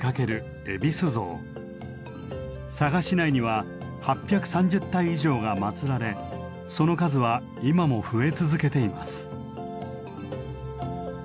佐賀市内には８３０体以上が祀られその数は今も増え続けています。